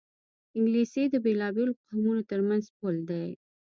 انګلیسي د بېلابېلو قومونو ترمنځ پُل دی